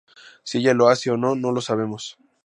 Sí ella lo hace o no, no lo sabemos.